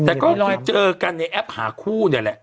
แต่ก็เคยเจอกันในแอปหาคู่เนี่ยแหละ